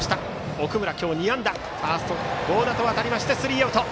奥村、今日２安打からファーストの合田へ渡りスリーアウト。